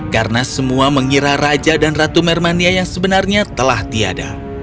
karena semua mengira raja dan ratu mirmania yang sebenarnya telah tiada